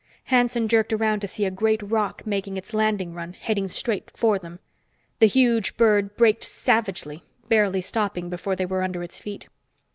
Hanson jerked around to see a great roc making its landing run, heading straight for them. The huge bird braked savagely, barely stopping before they were under its feet.